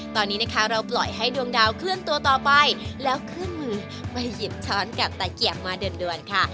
ตอนนี้นะคะเราปล่อยให้ดวงดาวเคลื่อนตัวต่อไปแล้วเคลื่อนมือไปหยิบช้อนกับตะเกียบมาด่วนค่ะ